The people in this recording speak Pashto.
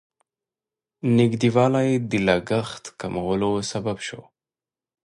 نږدېوالی د لګښت کمولو سبب شو.